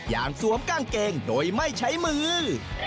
อย่างสวมก้างเกงโดยไม่ใช้มือ